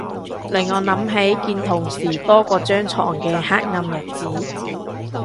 令我諗起見同事多過張牀嘅黑暗日子